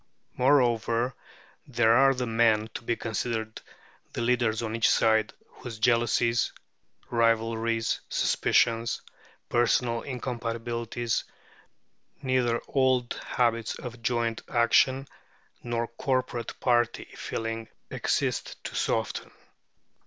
Moreover, there are the men to be considered, the leaders on each side, whose jealousies, rivalries, suspicions, personal incompatibilities, neither old habits of joint action nor corporate party feeling exist to soften.